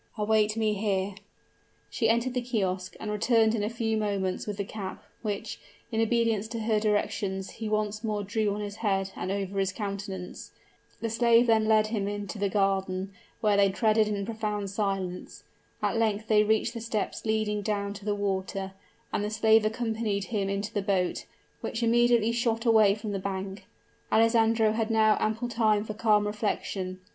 "Await me here." She entered the kiosk, and returned in a few moments with the cap, which, in obedience to her directions, he once more drew on his head and over his countenance. The slave then led him into the garden, which they treaded in profound silence. At length they reached the steps leading down to the water, and the slave accompanied him into the boat, which immediately shot away from the bank. Alessandro had now ample time for calm reflection.